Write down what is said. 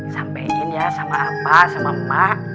sampaikan ya sama apa sama emak